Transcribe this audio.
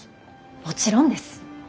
もちろんです。